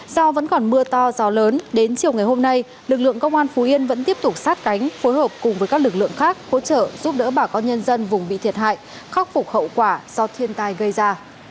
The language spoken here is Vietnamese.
do vẫn còn mưa to gió lớn đến chiều ngày hôm nay lực lượng công an phú yên vẫn tiếp tục sát cánh phối hợp cùng với các lực lượng khác hỗ trợ giúp đỡ bà con nhân dân vùng bị thiệt hại khắc phục hậu quả do thiên tai gây ra